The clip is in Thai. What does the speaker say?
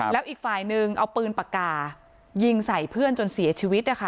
แล้วอีกฝ่ายนึงเอาปืนปากกายิงใส่เพื่อนจนเสียชีวิตนะคะ